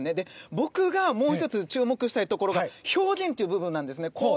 僕がもう１つ注目したいところが表現という部分です。